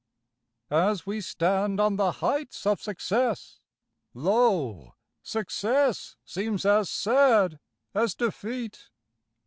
As we stand on the heights of success, Lo! success seems as sad as defeat!